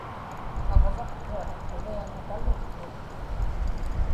aġvaktuat quvianapaluktut